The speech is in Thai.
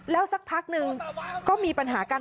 แล้วสักพักนึงก็มีปัญหากัน